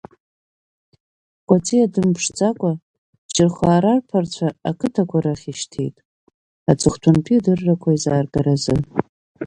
Кәаҵиа дмыԥшӡакәа џьырхәаа рырԥарцәа ақыҭақәа рахь ишьҭит, аҵыхәтәантәи адыррақәа изааргаразы…